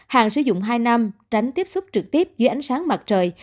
hàng sử dụng hai năm tránh tiếp xúc trực tiếp dưới ánh sáng mặt trời